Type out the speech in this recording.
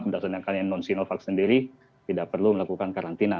berdasarkan yang non sinovac sendiri tidak perlu melakukan karantina